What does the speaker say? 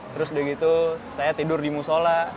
terus saya tidur di musola